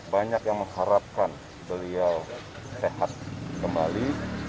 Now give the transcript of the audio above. banyak yang mengharapkan beliau sehat kembali